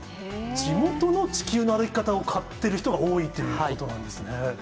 地元の地球の歩き方を買ってる人が多いってことなんですね。